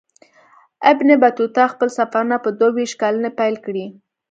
ابن بطوطه خپل سفرونه په دوه ویشت کلنۍ پیل کړي.